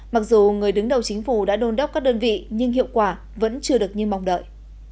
mặc dù người đứng đầu chính phủ đã đôn đốc các đơn vị nhưng hiệu quả vẫn chưa được như mong đợi